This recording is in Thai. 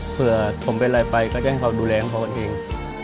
เผื่อผมเวลาไปก็จะให้เขาดูแลกับเขากันเอง